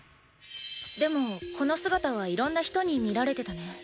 でもこの姿はいろんな人に見られてたね。